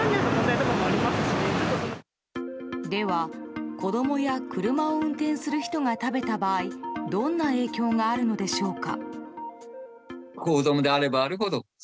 では、子供や車を運転する人が食べた場合どんな影響があるのでしょうか。